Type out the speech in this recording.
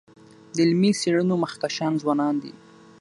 د علمي څيړنو مخکښان ځوانان دي.